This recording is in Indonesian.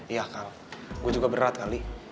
iya kak gue juga berat kali